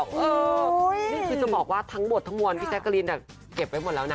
นี่คือจะบอกว่าทั้งหมดทั้งมวลพี่แจ๊กกะลินเก็บไว้หมดแล้วนะ